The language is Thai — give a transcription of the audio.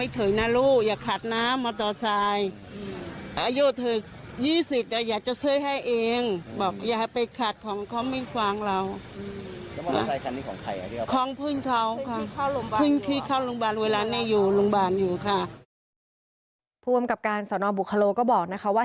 ผู้บำกับการสนบุคคโลก็บอกว่า